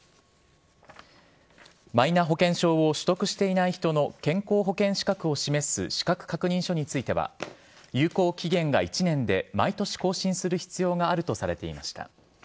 マイナ保険証を取得していない人の健康保険資格を示す資格確認書については有効期限が１年で毎年更新する必要があるとされていました。